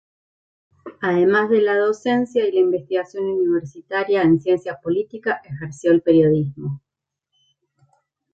Además de la docencia y la investigación universitaria en ciencia política, ejerció el periodismo.